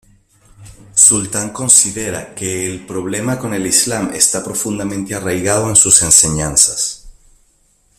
Sultan considera que ""El problema con el Islam está profundamente arraigado en sus enseñanzas.